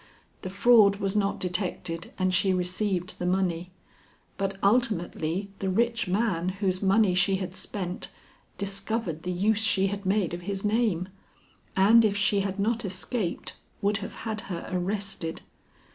The fraud was not detected, and she received the money, but ultimately the rich man whose money she had spent, discovered the use she had made of his name, and, if she had not escaped, would have had her arrested.